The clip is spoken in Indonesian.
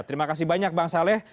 terima kasih banyak bang saleh